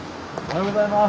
おはようございます。